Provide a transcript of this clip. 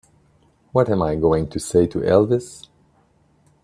What am I going to say to Elvis?